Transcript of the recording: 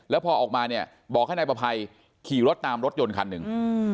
แล้วพอออกมาเนี่ยบอกให้นายประภัยขี่รถตามรถยนต์คันหนึ่ง